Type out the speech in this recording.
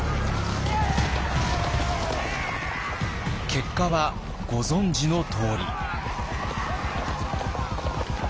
結果はご存じのとおり。